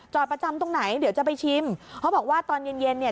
ประจำตรงไหนเดี๋ยวจะไปชิมเขาบอกว่าตอนเย็นเย็นเนี่ย